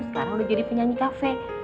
karena udah jadi penyanyi kafe